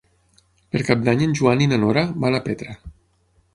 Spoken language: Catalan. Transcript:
Per Cap d'Any en Joan i na Nora van a Petra.